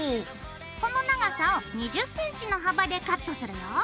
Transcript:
この長さを２０ｃｍの幅でカットするよ。